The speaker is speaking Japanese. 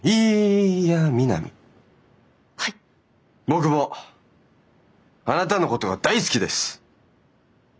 僕もあなたのことが大好きです！